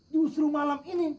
justru malam ini